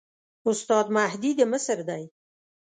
استاد مهدي د مصر دی.